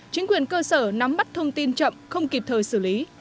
chính quyền cơ sở nắm bắt thông tin chậm không kịp thời xử lý